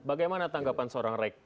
bagaimana tanggapan seorang rek